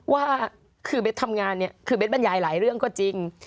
ว่าคือเบสทำงานเนี่ยคือเบสบรรยายหลายเรื่องก็จริง